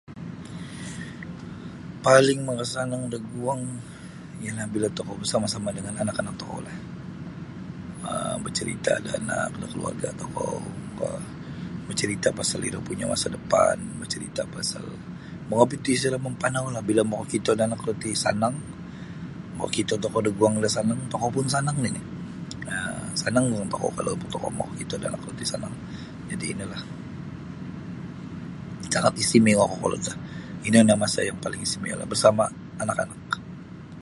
Paling makasanang da guang ialah bila tokou bersama-sama dangan anak-anak tokou lah um bacarita da keluarga tokou bacarita pasal iro punya masa depan bacarita pasal mongobit disiro mampanau lah bila makakito da anak ro ti sanang makito da guang do sanang tokou pun sanang nini um sanang guang tokou kalau tokou makakito anak ro ti sanang jadi ino lah sangat istimewa kokolod lah ino lah masa istimewalah bersama anak-anak.